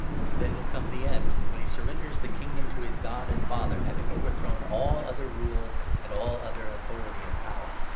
Then will come the end — when he surrenders the Kingdom to his God and Father, having overthrown all other rule and all other authority and power.